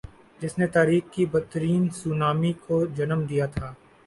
جس نی تاریخ کی بدترین سونامی کو جنم دیا تھا۔